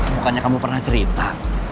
bukannya kamu pernah cerita